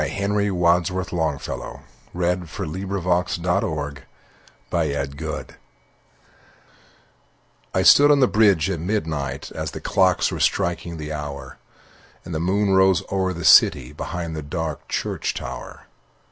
Henry Wadsworth Longfellow The Bridge I STOOD on the bridge at midnight, As the clocks were striking the hour, And the moon rose o'er the city, Behind the dark church tower.